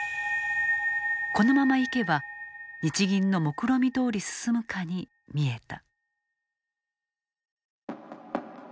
このままいけば、日銀のもくろみどおり進むかに見えた。